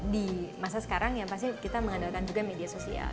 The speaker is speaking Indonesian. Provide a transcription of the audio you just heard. di masa sekarang yang pasti kita mengandalkan juga media sosial